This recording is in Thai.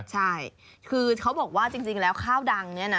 ใช่คือเขาบอกว่าจริงแล้วข้าวดังเนี่ยนะ